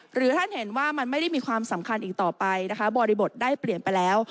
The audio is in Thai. หรือท่านเห็นว่ามันไม่ได้มีความสำคัญอีกต่อไปนะคะบริบทได้เปลี่ยนไปแล้ว